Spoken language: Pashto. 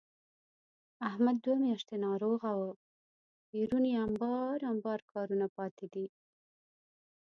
احمد دوه میاشتې ناروغه و، بېرون یې په امبار امبار کارونه پاتې دي.